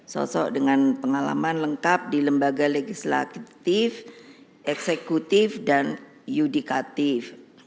sosok dengan pengalaman lengkap di lembaga legislatif eksekutif dan yudikatif